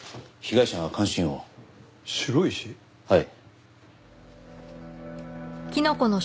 はい。